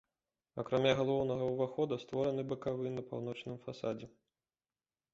Акрамя галоўнага ўвахода створаны бакавы на паўночным фасадзе.